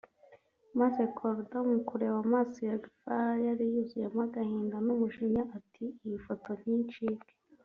maze Korda mu kureba amaso ya Guevara yari yuzuyemo agahinda n’umujinya ati iyi foto nti incike